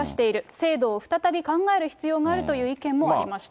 制度を再び考える必要があるという意見もありました。